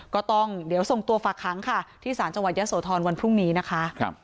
ก็ต้องเดี๋ยวส่งตัวฝากค้างค่ะที่สารจังหวัดยะโสธรวันพรุ่งนี้นะคะ